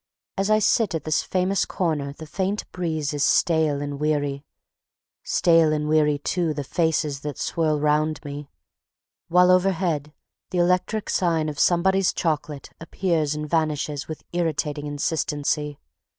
As I sit at this famous corner the faint breeze is stale and weary; stale and weary too the faces that swirl around me; while overhead the electric sign of Somebody's Chocolate appears and vanishes with irritating insistency.